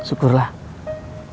masih ada yang nungguin